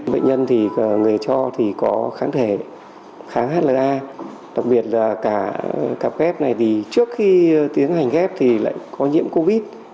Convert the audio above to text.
bệnh nhân thì người cho thì có kháng thể kháng h đặc biệt là cả cặp ghép này thì trước khi tiến hành ghép thì lại có nhiễm covid